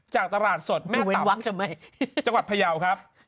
จากตลาดสดไม่รู้จังหวัดพยาวครับ